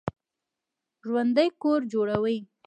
ژوندي کور جوړوي